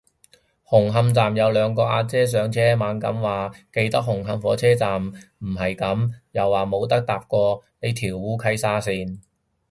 紅磡站有兩個阿姐上車，猛咁話記得紅磡火車站唔係噉，又話冇搭過新呢條烏溪沙綫